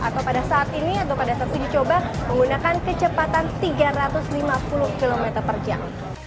atau pada saat ini atau pada saat uji coba menggunakan kecepatan tiga ratus lima puluh km per jam